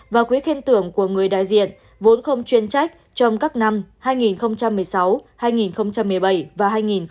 và quý khen thưởng của người đại diện vốn không chuyên trách trong các năm hai nghìn một mươi sáu hai nghìn một mươi bảy và hai nghìn một mươi tám